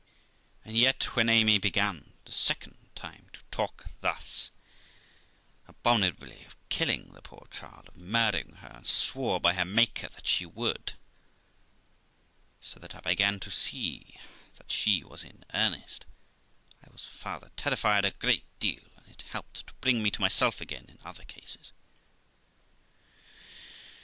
And yet, when Amy began the second time to talk thus abominably of killing the poor child, of murdering her, and swore by her Maker that she would, so that I began to see that she was in earnest, I was farther terrified a great deal, and it helped to bring me to myself again in other cases.